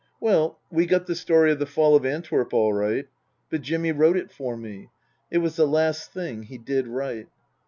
Well, we got the story of the Fall of Antwerp all right. But Jimmy wrote it for me. It was the last thing he did write.